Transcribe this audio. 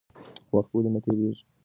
وخت ولې نه تېرېږي؟